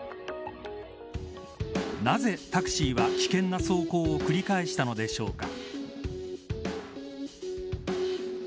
なぜ、タクシーは危険な走行を繰り返したのでしょうか。